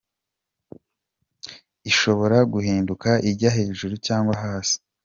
Ishobora guhinduka ijya hejuru cyangwa hasi.